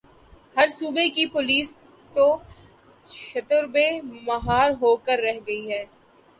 ہر صوبے کی پولیس تو شتر بے مہار ہو کے رہ گئی ہے۔